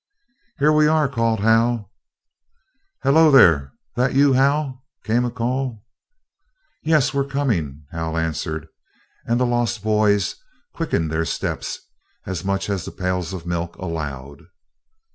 "Here we are!" called Hal. "Hello there! That you, Hal?" came a call. "Yes; we're coming," Hal answered, and the lost boys quickened their steps, as much as the pails of milk allowed.